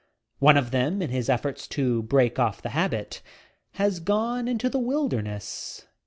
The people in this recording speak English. One of them, m his efforts to break off the habit, has gone into the wilderness.